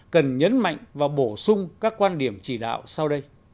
cần nhấn mạnh và bổ sung các quan điểm chỉ đạo